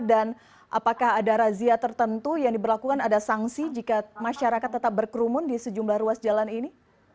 dan apakah ada razia tertentu yang diberlakukan ada sanksi jika masyarakat tetap berkerumun di sejumlah ruas jalan ini